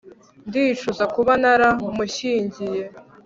ndicuza kuba naramushyingiye